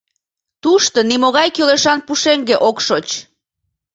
Тушто нимогай кӱлешан пушеҥге ок шоч.